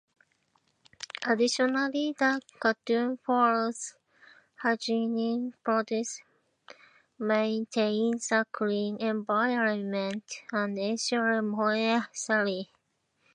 Additionally, the canteen follows hygiene protocols, maintaining a clean environment to ensure food safety.